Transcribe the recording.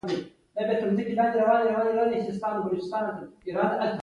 هغوی عمرې او حج سفر ته تشویق کړي.